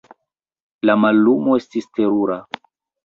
La mallumo estis terura.